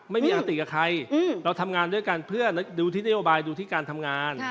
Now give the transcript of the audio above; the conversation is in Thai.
ไม่มีอาติกับใครเราทำงานด้วยกันเพื่อดูที่นโยบายดูที่การทำงาน